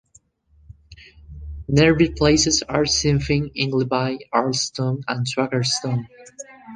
Nearby places are Sinfin, Ingleby, Arleston, and Swarkestone.